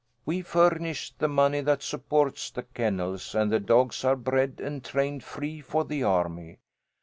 "We furnish the money that supports the kennels, and the dogs are bred and trained free for the army.